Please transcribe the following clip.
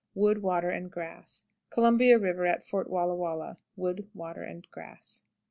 Wood, water, and grass. Columbia River at Fort Wallah Wallah. Wood, water, and grass.